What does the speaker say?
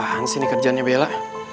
apaan sih ini kerjaannya bella